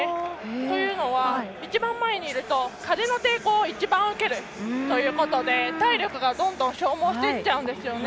というのは、一番前にいると風の抵抗を一番受けるということで体力がどんどん消耗していってしまうんですよね。